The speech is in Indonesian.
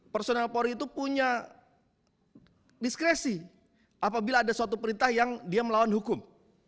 personal polri itu punya diskresi apabila ada suatu perintah yang dia melawan hukum